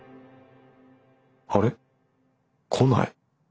あれ？来ない。